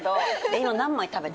今、何枚食べた？